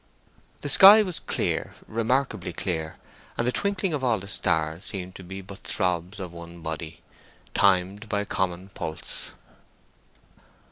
The sky was clear—remarkably clear—and the twinkling of all the stars seemed to be but throbs of one body, timed by a common pulse.